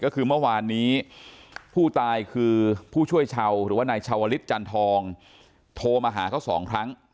ก็คือเมื่อวานนี้ผู้ตายคือผู้ช่วยชาวหรือว่านายชาวลิศจันทองโทรมาหาเขาสองครั้ง